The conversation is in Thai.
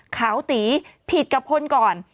ขาวตีผิดกับคนก่อน